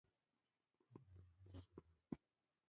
• د ښوونکي تر څنګ کښېنه او له تجربو یې زده کړه.